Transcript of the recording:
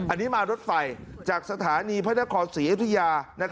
อันนี้มารถไฟจากสถานีพระนครศรีอยุธยา